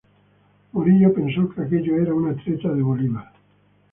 Morillo pensó que aquello era una treta de Bolívar.